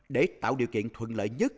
để tạo điều kiện thuận lợi nhất